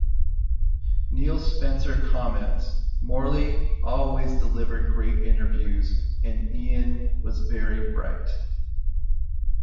Neil Spencer comments; Morley always delivered great interviews and Ian was very bright.